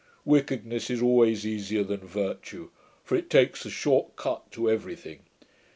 Wickedness is always easier than virtue; for it takes the short cut to every thing.